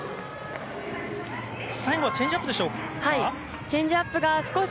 最後はチェンジアップでしょうか。